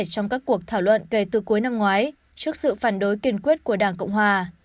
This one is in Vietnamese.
trong các cuộc thảo luận kể từ cuối năm ngoái trước sự phản đối kiên quyết của đảng cộng hòa